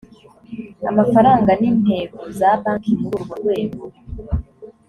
amafaranga n intego za banki muri urwo rwego